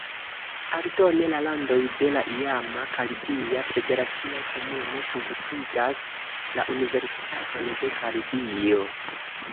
Aldone, la landoj de la iama Karibia Federacio komune funkciigas la Universitaton de Karibio.